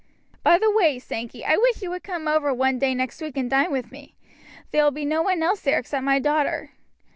"By the way, Sankey, I wish you would come over one day next week and dine with me; there will be no one else there except my daughter."